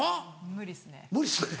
無理っすね。